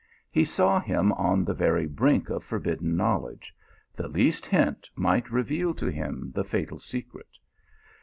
He saw him on the very brink of forbidden knowledge the least hint might reveal to him the fatal secret.